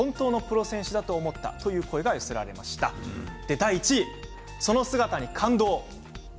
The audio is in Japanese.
第１位、その姿に感動。